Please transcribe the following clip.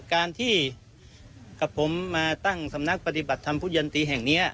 การที่กับผมมาตั้งสำนักปฏิบัติธรรมผู้ยันตีแห่งนี้